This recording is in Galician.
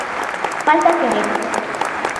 Falta querer.